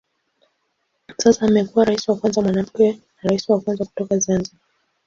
Sasa amekuwa rais wa kwanza mwanamke na rais wa kwanza kutoka Zanzibar.